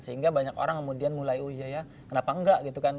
sehingga banyak orang kemudian mulai oh iya ya kenapa enggak gitu kan